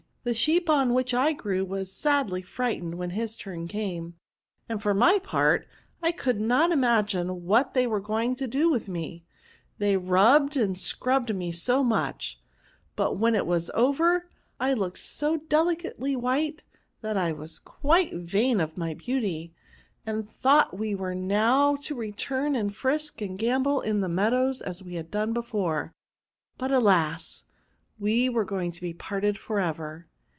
The sheep on which I grew waa sadly frightened when his turn came ; and, for my part, I could not imagine what they were going to do with me, they rubbed and scrubbed me so much ; but when it was over, I looked so delicately white, that I was quite vain of my beauty, and I thought we were now to return and frisk and gambol in the mea dow, as we had done before^ But, alas ! we were going to be parted for ever